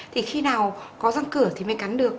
thì khi nào có răng cửa thì mới cắn được